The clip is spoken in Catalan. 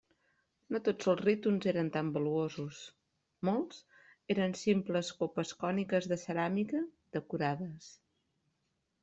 No tots els rítons eren tan valuosos; molts eren simples copes còniques de ceràmica decorades.